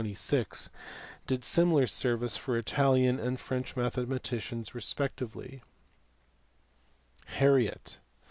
Wingatc iii 1626 did a similar service for Italian and F mathematicians respectively. Harriot.